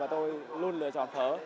tôi luôn lựa chọn phở